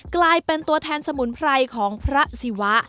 กลายเป็นตัวแทนสมุนไพรของพระศิวะ